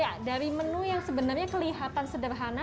ya dari menu yang sebenarnya kelihatan sederhana